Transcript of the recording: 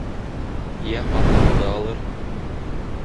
Йә ҡатыныңды алыр.